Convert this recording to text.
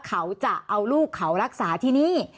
เขาจะเอาลูกเขารักษาที่นี่